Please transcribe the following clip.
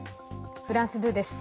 フランス２です。